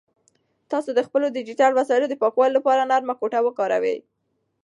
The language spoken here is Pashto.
تاسو د خپلو ډیجیټل وسایلو د پاکوالي لپاره نرمه ټوټه وکاروئ.